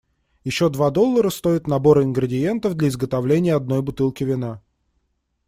Ещё два доллара стоит набор ингредиентов для изготовления одной бутылки вина.